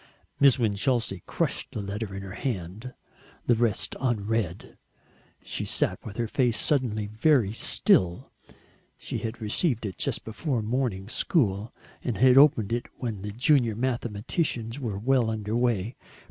Miss Winchelsea crushed the letter in her hand the rest unread and sat with her face suddenly very still. She had received it just before morning school, and had opened it when the junior mathematicians were well under way.